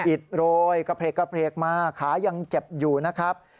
อิดโรยกระเพลกมาขายังเจ็บอยู่นะครับ